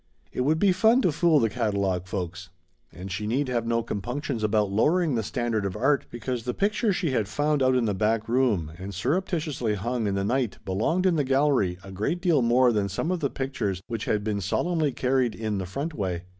It would be fun to fool the catalogue folks. And she need have no compunctions about lowering the standard of art because the picture she had found out in the back room and surreptitiously hung in the night belonged in the gallery a great deal more than some of the pictures which had been solemnly carried in the front way.